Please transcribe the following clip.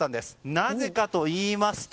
なぜかといいますと。